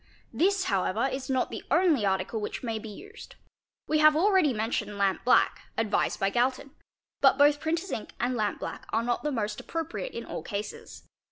This how ever is not the only article which may be used. We have already — mentioned lamp black, advised by Galton. But both printer's ink and lamp black are not the most appropriate in all cases.